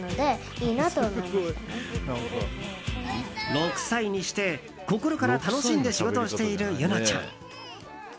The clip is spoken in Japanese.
６歳にして心から楽しんで仕事をしている柚乃ちゃん。